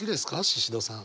シシドさん。